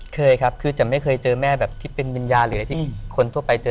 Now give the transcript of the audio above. เคยครับคือจะไม่เคยเจอแม่แบบที่เป็นวิญญาณหรืออะไรที่คนทั่วไปเจอ